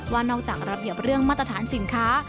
วันเนียมจากระเภทเรื่องมาตรฐานสินค้า